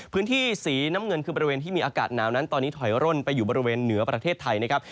พื้นที่สีน้ำเงินคือบริเวณที่มีอากาศหนาวนั้นตอนนี้ถอยร่นไปอยู่บริเวณเหนือประเทศไทยนะครับ